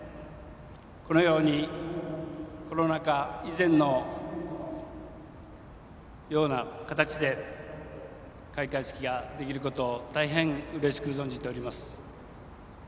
このようにコロナ禍以前のような形で開会式ができることを大変うれしく存じております。